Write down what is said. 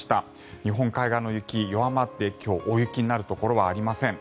日本海側の雪、弱まって今日大雪になるところはありません。